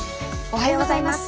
おはようございます。